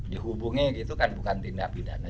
dihubungi gitu kan bukan tindak pidana